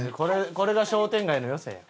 これが商店街の良さや。